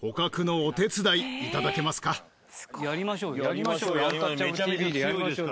やりましょうよ。